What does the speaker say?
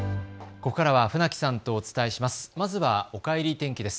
ここからは船木さんとお伝えします。